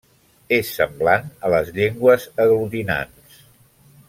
És semblant a les llengües aglutinants.